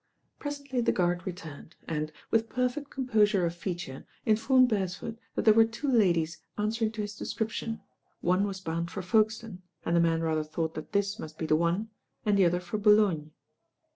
Presently the guard returned and, with perfect composure of feature, informed Beresford that there were two ladies answering to his description, one was bound for Folkestone, and the man rather thought that this must be the one, and the other for Boulogne.